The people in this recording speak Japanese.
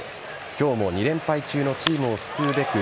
今日も２連敗中のチームを救うべく